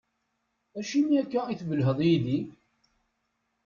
Acimi akka i tbelheḍ yid-i?